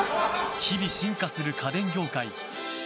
日々、進化する家電業界。